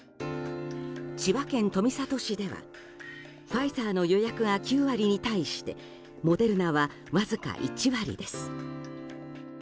千葉県富里市ではファイザーの予約が９割に対してモデルナは、わずか１割です。